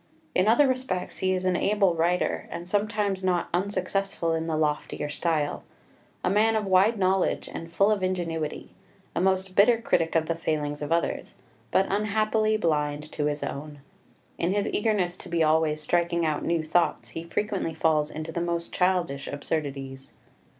In other respects he is an able writer, and sometimes not unsuccessful in the loftier style; a man of wide knowledge, and full of ingenuity; a most bitter critic of the failings of others but unhappily blind to his own. In his eagerness to be always striking out new thoughts he frequently falls into the most childish absurdities.